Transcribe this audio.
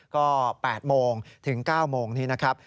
ก็๘โมงถึง๙โมงนี้นะครับ